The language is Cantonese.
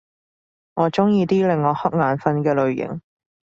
我鍾意啲令我瞌眼瞓嘅類型